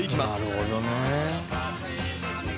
なるほどね。